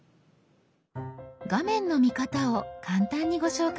画面の見方を簡単にご紹介しましょう。